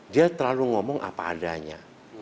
dia terlalu ngomong apa adanya